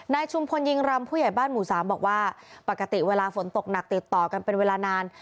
ชุมพลยิงรำผู้ใหญ่บ้านหมู่สามบอกว่าปกติเวลาฝนตกหนักติดต่อกันเป็นเวลานาน